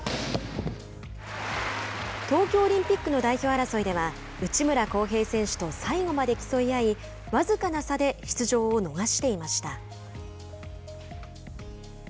東京オリンピックの代表争いでは内村航平選手と最後まで競い合い僅かな差で出場を逃していました。